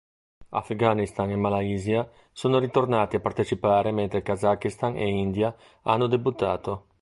Afghanistan e Malaysia sono ritornati a partecipare mentre Kazakistan e India hanno debuttato.